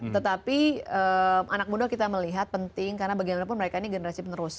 tetapi anak muda kita melihat penting karena bagaimanapun mereka ini generasi penerus